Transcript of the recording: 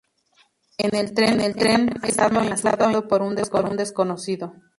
En el tren, es amenazado e insultado por un desconocido.